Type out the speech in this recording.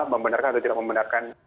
membenarkan atau tidak membenarkan